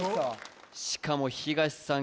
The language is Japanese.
しかも東さん